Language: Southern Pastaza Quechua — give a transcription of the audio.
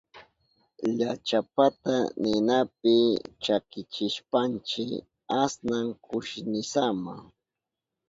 Llachapata ninapi chakichishpanchi asnan kushnisama.